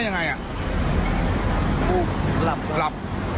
นายรับ